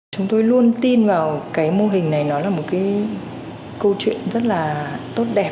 chúng tôi luôn tin vào cái mô hình này nó là một cái câu chuyện rất là tốt đẹp